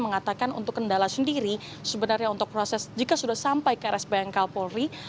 mengatakan untuk kendala sendiri sebenarnya untuk proses jika sudah sampai ke rsbnk polri